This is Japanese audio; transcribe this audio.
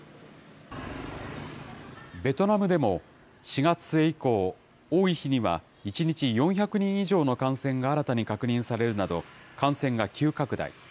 ベトナムでも４月末以降、多い日には１日４００人以上の感染が新たに確認されるなど、感染が急拡大。